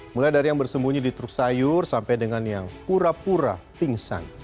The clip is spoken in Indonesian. mulai dari yang bersembunyi di truk sayur sampai dengan yang pura pura pingsan